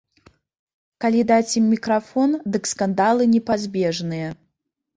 Калі даць ім мікрафон, дык скандалы непазбежныя.